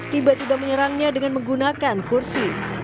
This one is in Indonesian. tiba tiba menyerangnya dengan menggunakan kursi